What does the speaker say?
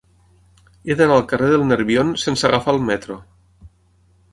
He d'anar al carrer del Nerbion sense agafar el metro.